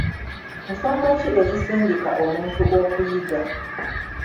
Nsonga ki ezisindika omuntu okuyiga?